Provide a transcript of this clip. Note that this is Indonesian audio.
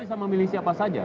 bisa memilih siapa saja